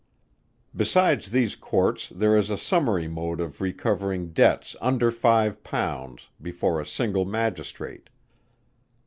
Besides these Courts there is a summary mode of recovering debts under five pounds before a single Magistrate.